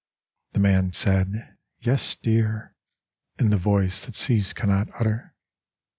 The man said, * Yes, dear !' In the voice that seas cannot utter.